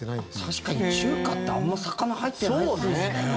確かに中華ってあんまり魚入ってないですね。